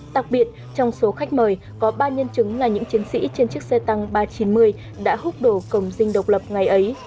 đặc biệt trong số khách mời có ba nhân chứng là những chiến sĩ trên chiếc xe tăng ba trăm chín mươi đã hút đổ cổng dinh độc lập ngày ấy